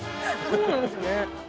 そうなんですね。